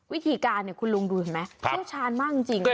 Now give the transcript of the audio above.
วิธีการเนี่ยคุณลุงดูเห็นมั้ยเชื่อชาญมากจริง